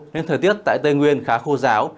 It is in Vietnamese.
nên thời tiết tại tây nguyên khá khô ráo